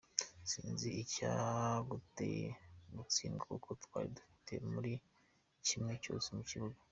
Sinzi icyaduteye gutsindwa kuko twari dufite buri kimwe cyose mu kibuga.